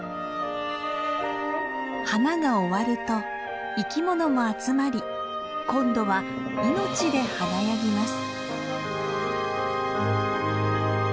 花が終わると生き物も集まり今度は命で華やぎます。